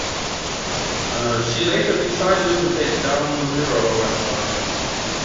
She later decided to take down the mirror website.